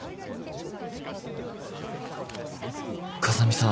風見さん